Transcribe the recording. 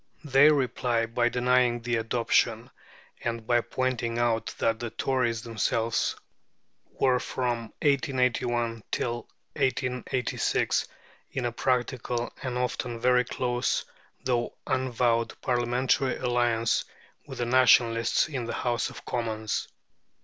They reply by denying the adoption, and by pointing out that the Tories themselves were from 1881 till 1886 in a practical, and often very close, though unavowed, Parliamentary alliance with the Nationalists in the House of Commons.